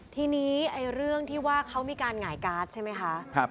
ทีนี้เรื่องที่ว่าเขามีการหงายการ์ดใช่ไหมคะ